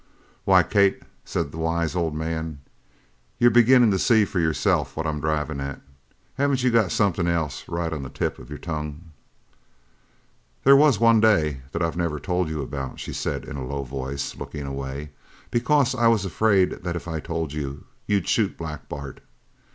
"Why, Kate," said the wise old man, "you're beginnin' to see for yourself what I'm drivin' at! Haven't you got somethin' else right on the tip of your tongue?" "There was one day that I've never told you about," she said in a low voice, looking away, "because I was afraid that if I told you, you'd shoot Black Bart.